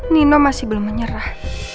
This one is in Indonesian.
nino masih belum menyerah